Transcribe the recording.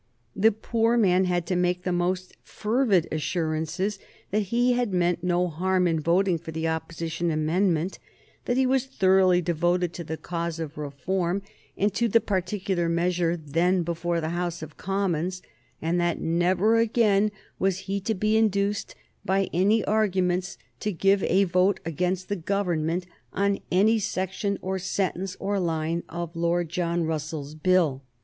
The poor man had to make the most fervid assurances that he had meant no harm in voting for the Opposition amendment, that he was thoroughly devoted to the cause of reform, and to the particular measure then before the House of Commons, and that never again was he to be induced by any arguments to give a vote against the Government on any section or sentence or line of Lord John Russell's Bill.